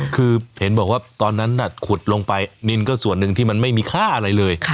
คือเห็นบอกว่าตอนนั้นน่ะขุดลงไปนินก็ส่วนหนึ่งที่มันไม่มีค่าอะไรเลย